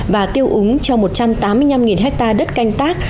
và tiêu úng cho một trăm tám mươi năm hectare đất canh tác